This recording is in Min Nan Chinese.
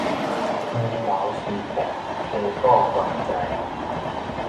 門樓雖破，更鼓原在